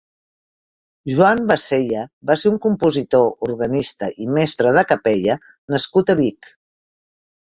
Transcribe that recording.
Joan Baseia va ser un compositor, organista i mestre de capella nascut a Vic.